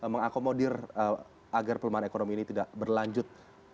mengakomodir agar pelemahan ekonomi ini tidak berlanjut